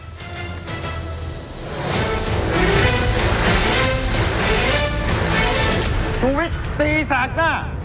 สูงวิทย์ตีสักหน้า